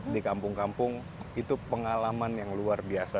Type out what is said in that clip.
di kampung kampung itu pengalaman yang luar biasa